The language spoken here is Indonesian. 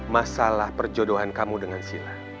masalah perjodohan kamu dengan sila